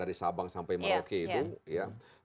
dari sabang sampai merauke itu ya